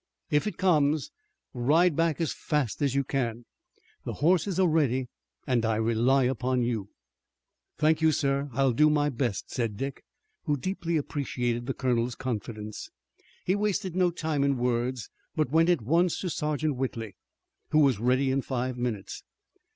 If it comes, ride back as fast as you can. The horses are ready and I rely upon you." "Thank you, sir, I'll do my best," said Dick, who deeply appreciated the colonel's confidence. He wasted no time in words, but went at once to Sergeant Whitley, who was ready in five minutes.